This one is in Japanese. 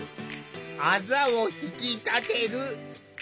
あざを引き立てる。